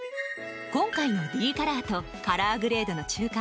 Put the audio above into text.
今回のＤカラーとカラーグレードの中間